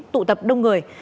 tụ tập đông người